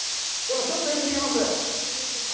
ちょっとよく見えます。